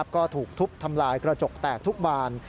ก็ถูกทุบทำลายกระจกแตกทุกบาน